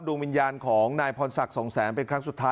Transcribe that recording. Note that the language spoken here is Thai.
ดวงวิญญาณของนายพรศักดิ์สองแสงเป็นครั้งสุดท้าย